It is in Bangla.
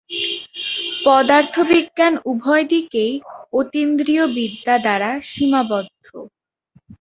পদার্থবিজ্ঞান উভয় দিকেই অতীন্দ্রিয়বিদ্যা দ্বারা সীমাবদ্ধ।